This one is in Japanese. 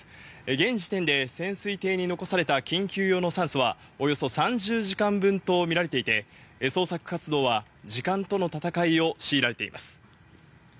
現時点で潜水艇に残された緊急用の酸素はおよそ３０時間分と見られていて、捜索活動は時間との戦いを強いられています。